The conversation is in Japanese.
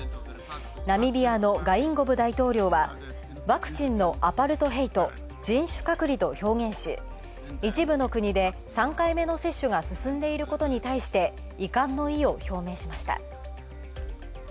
ナミビアのガインゴブ大統領は、ワクチンのアパルトヘイト＝人種隔離と表現し、一部の国で３回目の接種が進んでいることに対して遺憾の意を表明しました。